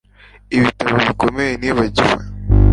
Ibitabo bikomeye nibagiwe